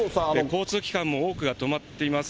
交通機関も多くが止まっています。